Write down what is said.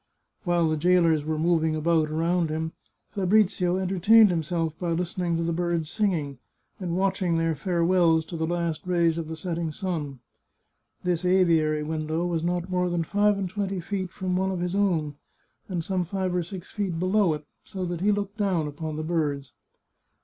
While the jailers were moving about around him, Fabrizio entertained himself by listening to the birds' singing, and watching their farewells to the last rays of the setting sun. This aviary window was not more than five and twenty feet from one of his own, and some five or six feet below it, so that he looked down upon the birds.